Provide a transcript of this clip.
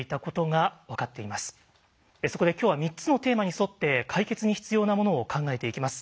そこで今日は３つのテーマに沿って解決に必要なものを考えていきます。